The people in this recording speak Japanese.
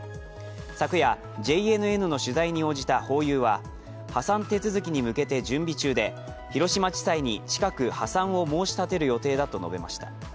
昨夜、ＪＮＮの取材に応じたホーユーは破産手続きに向けて準備中で広島地裁に近く破産を申し立てる予定だと述べました。